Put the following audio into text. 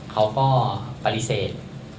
เขาก็ปฏิเสธ